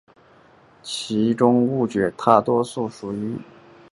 其物种绝大多数原生于西北太平洋。